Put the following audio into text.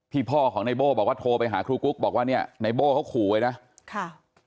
พี่พ่อของนายโบบอกว่าโทรไปหาครูกุ๊กบอกว่าเนี่ยนายโบเขาขู่ไว้นะ